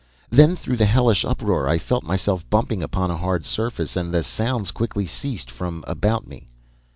Then through the hellish uproar, I felt myself bumping upon a hard surface, and the sounds quickly ceased from about me.